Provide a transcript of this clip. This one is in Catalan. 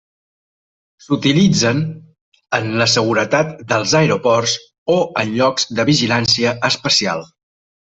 S'utilitzen en la seguretat dels aeroports o en llocs de vigilància especial.